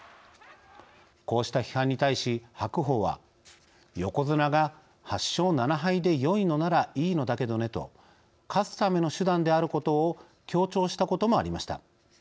こうした批判に対し白鵬は「横綱が８勝７敗で良いのならいいのだけどね」と勝つための手段であることを強調したこともありました。